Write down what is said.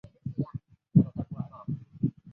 埃里克王朝的瑞典国王。